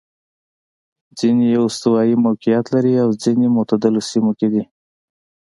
ځیني یې استوايي موقعیت لري او ځیني معتدلو سیمو کې دي.